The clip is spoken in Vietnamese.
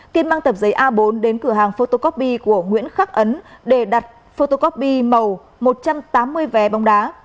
kiên mang tập giấy a bốn đến cửa hàng photocopy của nguyễn khắc ấn để đặt photocopy màu một trăm tám mươi vé bóng đá